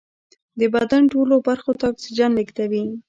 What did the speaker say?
د بدن ټولو برخو ته اکسیجن لېږدوي